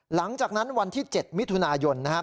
หลังจากนั้นวันที่๗มิถุนายน